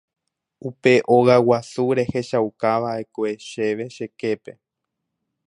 Upe óga guasu rehechaukava'ekue chéve che képe.